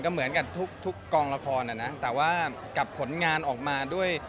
เหมือนกับทุกกองละครนะแต่ว่ากับผลงานออกมาด้วย